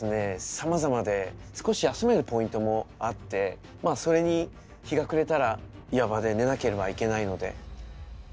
さまざまで少し休めるポイントもあってまあそれに日が暮れたら岩場で寝なければいけないので。